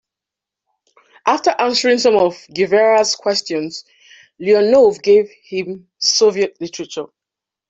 After answering some of Guevara's questions, Leonov gave him Soviet literature.